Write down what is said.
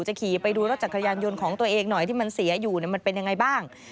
ขี่ไปดูรถจักรยานยนต์ของตัวเองหน่อยที่มันเสียอยู่มันเป็นยังไงบ้าง